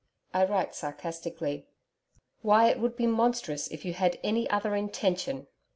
I write sarcastically. Why, it would be monstrous if you had any other intention!